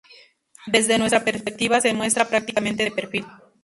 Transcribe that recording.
Desde nuestra perspectiva se muestra prácticamente de perfil.